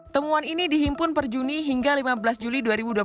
temuan ini dihimpun per juni hingga lima belas juli dua ribu dua puluh